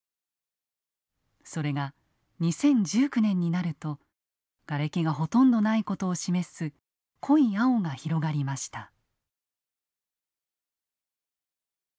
それが２０１９年になるとガレキがほとんどないことを示す濃い青が広がりました。